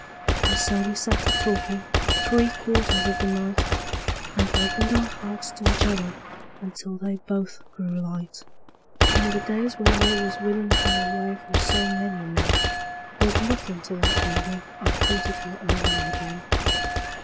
And so we sat a talkin' three quarters of the night, And opened our hearts to each other until they both grew light; And the days when I was winnin' her away from so many men Was nothin' to that evenin' I courted her over again.